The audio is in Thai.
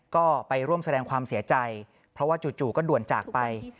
ก็ไปร่วมแสดงความเสียใจเพราะว่าจู่ก็ด่วนจากไป